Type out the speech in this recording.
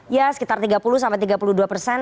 ya sekitar tiga puluh sampai tiga puluh dua persen